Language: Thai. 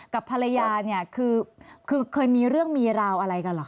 กับภรรยาเนี่ยคือเคยมีเรื่องมีราวอะไรกันเหรอ